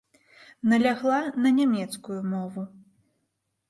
Налягла на нямецкую мову.